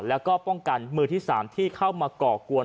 แล้วก็ป้องกันมือที่๓ที่เข้ามาก่อกวน